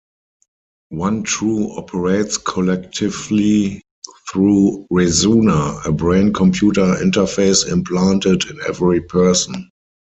One True operates collectively through "Resuna", a brain-computer interface implanted in every person.